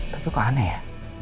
tapi kok aneh ya